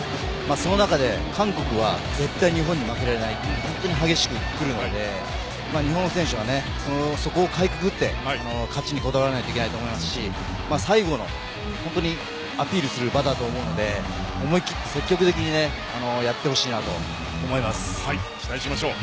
その中で、韓国は絶対、日本に負けられない本当に激しく来るので日本の選手はそこをかいくぐって勝ちにこだわらないといけないと思いますし最後のアピールする場だと思うので思い切って積極的にやってほしいなと期待しましょう。